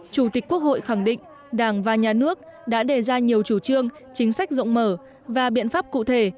chủ tịch quốc hội khẳng định đảng và nhà nước đã đề ra nhiều chủ trương chính sách rộng mở và biện pháp cụ thể